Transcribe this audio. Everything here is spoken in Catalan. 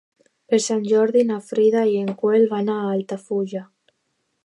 Per Sant Jordi na Frida i en Quel van a Altafulla.